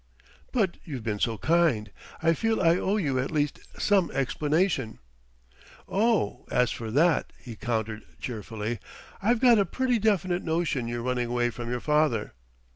"But you've been so kind; I feel I owe you at least some explanation " "Oh, as for that," he countered cheerfully, "I've got a pretty definite notion you're running away from your father."